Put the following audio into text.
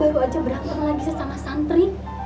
baru aja berantem lagi sesama santri